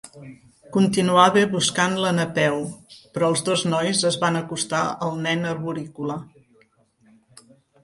Continuava buscant la Napeu, però els dos nois es van acostar al nen arborícola.